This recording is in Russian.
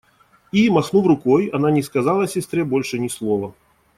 И, махнув рукой, она не сказала сестре больше ни слова.